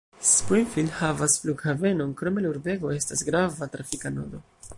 Springfield havas flughavenon, krome la urbego estas grava trafika nodo.